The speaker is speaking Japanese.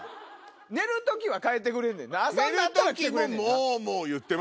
寝る時は帰ってくれんねんな。